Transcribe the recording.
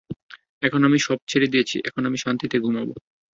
এখন আমি সব ছেড়ে দিয়েছি, আমি এখন শান্তিতে ঘুমাবো।